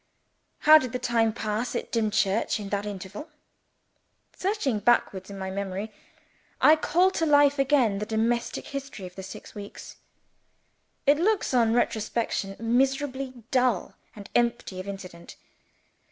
How did the time pass at Dimchurch in that interval? Searching backwards in my memory, I call to life again the domestic history of the six weeks. It looks, on retrospection, miserably dull and empty of incident.